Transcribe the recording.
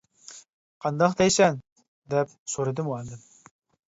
«قانداق دەيسەن؟ » دەپ سورىدى مۇئەللىم.